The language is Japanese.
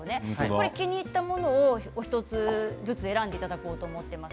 気に入ったものをお一つずつ選んでいただこうと思います。